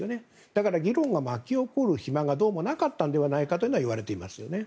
だから、議論が巻き起こる暇がどうもなかったのではないかといわれていますよね。